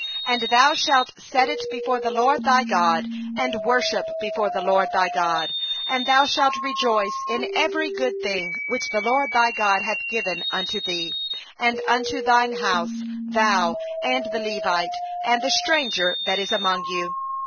And thou shalt set it down before the LORD thy God, and worship before the LORD thy God. 11And thou shalt rejoice in all the good which the LORD thy God hath given unto thee, and unto thy house, thou, and the Levite, and the stranger that is in the midst of thee.